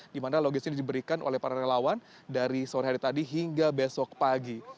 di mana logistik diberikan oleh para relawan dari sore hari tadi hingga besok pagi